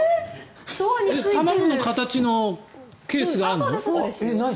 卵の形のケースがあるの？